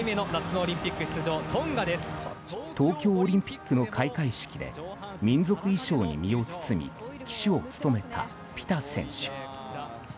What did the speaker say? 東京オリンピックの開会式で民族衣装に身を包み旗手を務めた、ピタ選手。